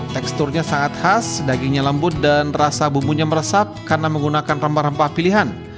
teksturnya sangat khas dagingnya lembut dan rasa bumbunya meresap karena menggunakan rempah rempah pilihan